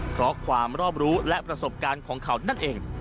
เพราะความรอบรู้และประสบการณ์ของเขานั่นเอง